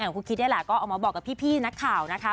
คุณคิดนี่แหละก็ออกมาบอกกับพี่นักข่าวนะคะ